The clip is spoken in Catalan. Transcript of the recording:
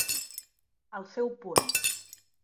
Al seu punt.